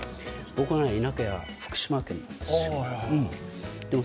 僕の田舎はね福島県なんです。